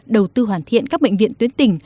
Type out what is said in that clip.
đầu tư hoàn thiện các bệnh viện tuyến tỉnh